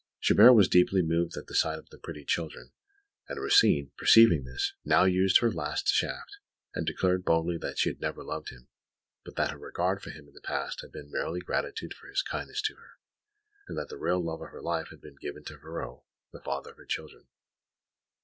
Chabert was deeply moved at the sight of the pretty children; and Rosine, perceiving this, now used her last shaft and declared boldly that she had never loved him, but that her regard for him in the past had been merely gratitude for his kindness to her, and that the real love of her life had been given to Ferraud, the father of her children.